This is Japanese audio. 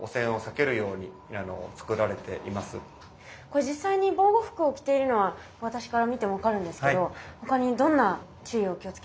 これ実際に防護服を着ているのは私から見ても分かるんですけど他にどんな注意を気をつけてるんですか？